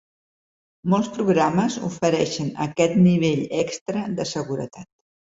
Molts programes ofereixen aquest nivell extra de seguretat.